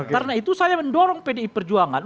karena itu saya mendorong pdi perjuangan